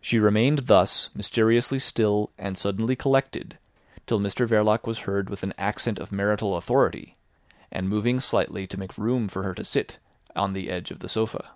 She remained thus mysteriously still and suddenly collected till Mr Verloc was heard with an accent of marital authority, and moving slightly to make room for her to sit on the edge of the sofa.